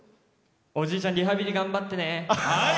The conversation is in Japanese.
おじいちゃんリハビリ頑張ってね！